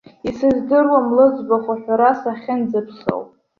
Исыздыруам лыӡбахә аҳәара сахьынӡаԥсоу.